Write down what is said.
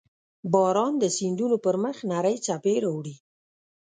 • باران د سیندونو پر مخ نرۍ څپې راوړي.